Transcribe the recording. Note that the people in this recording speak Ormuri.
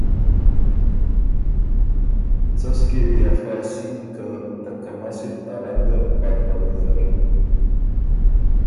”څۀ سو کېوي افۀ اصیل که ته کم اصل انګه بد بَۀ ویزر“